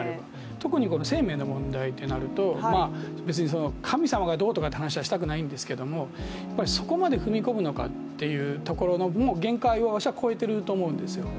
特に生命の問題となると神様がどうとかって話はしたくないんですけどもそこまで踏み込むのかっていうところの限界を私は超えてると思うんですよ。